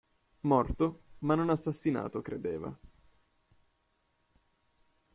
Morto, ma non assassinato, credeva.